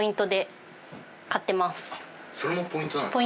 それもポイントなんですか？